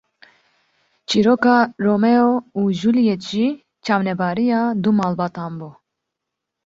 Çîroka Romeo û Juliet jî çavnebariya du malbatan bû